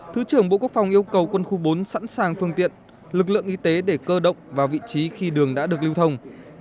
thứ trưởng bộ quốc phòng yêu cầu quân khu bốn sẵn sàng phương tiện lực lượng y tế để cơ động vào vị trí khi đường đã được lưu thông